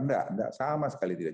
nggak sama sekali tidak